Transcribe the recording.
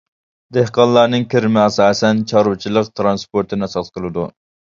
دېھقانلارنىڭ كىرىمى ئاساسەن چارۋىچىلىق، تىرانسپورتىنى ئاساس قىلىدۇ.